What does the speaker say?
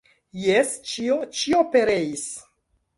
Jes, ĉio, ĉio pereis.